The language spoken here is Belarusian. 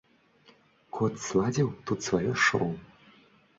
Кот зладзіў тут сваё шоў.